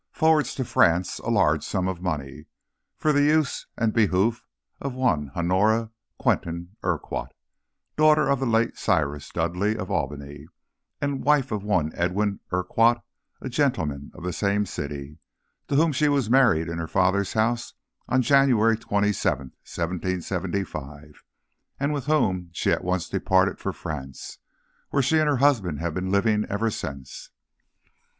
forwards to France a large sum of money, for the use and behoof of one Honora Quentin Urquhart, daughter of the late Cyrus Dudleigh, of Albany, and wife of one Edwin Urquhart, a gentleman of that same city, to whom she was married in her father's house on January 27, 1775, and with whom she at once departed for France, where she and her husband have been living ever since.